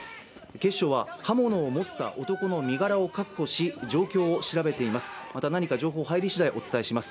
警視庁は、刃物を持った男の身柄を確保し、状況を調べています。